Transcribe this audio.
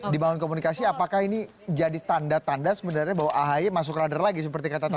dibangun komunikasi apakah ini jadi tanda tanda sebenarnya bahwa ahy masuk radar lagi seperti kata tadi